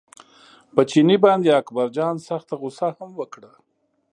په چیني باندې اکبرجان سخته غوسه هم وکړه.